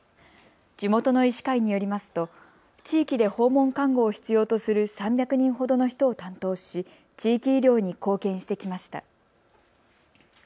地元の医師会によりますと、地域で訪問看護を必要とする３００人ほどの人を担当し地域医療に貢献してきました。